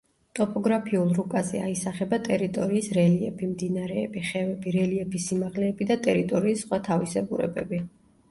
ტოპოგრაფიულ რუკაზე აისახება ტერიტორიის რელიეფი, მდინარეები, ხევები, რელიეფის სიმაღლეები და ტერიტორიის სხვა თავისებურებები.